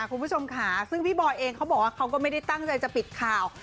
คุณผู้ชมค่ะซึ่งพี่บอยเองเขาบอกว่าเขาก็ไม่ได้ตั้งใจจะปิดข่าว